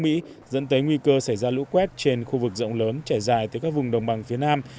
dẫn tới nguy cơ xảy ra lũ quét trên khu vực rộng lớn trải dài từ các vùng đồng bằng phía nam